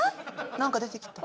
何か出てきた。